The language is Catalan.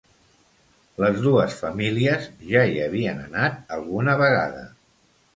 Les dues famílies ja hi havien anat alguna vegada.